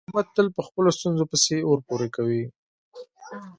احمد تل په خپلو ستونزو پسې اور پورې کوي.